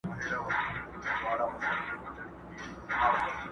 که په ښار کي نور طوطیان وه دی پاچا وو؛